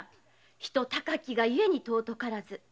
人高きがゆえに尊からず。